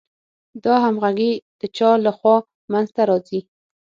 دا همغږي د چا له خوا منځ ته راځي؟